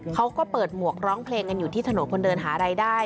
เขาก็เปิดหมวกร้องเพลงกันอยู่ที่ถนนคนเดินหารายได้